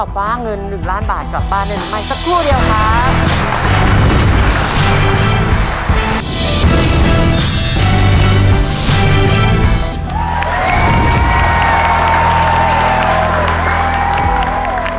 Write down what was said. ฟ้าเงินหนึ่งล้านบาทกลับบ้านหนึ่งใหม่สักครู่เดียวครับ